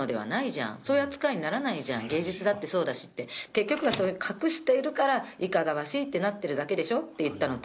「結局はそういう風に隠しているからいかがわしいってなってるだけでしょ」って言ったのと。